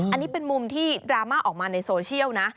อันนี้เป็นมุมที่ดราม่าออกมาในโซเชียลนะ